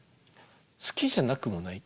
好きじゃなくもない。